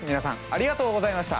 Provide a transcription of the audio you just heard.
ありがとうございます。